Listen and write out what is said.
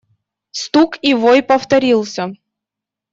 Стук и вой повторился.